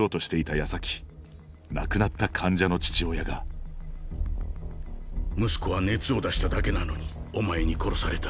やさき亡くなった患者の父親が息子は熱を出しただけなのにお前に殺された。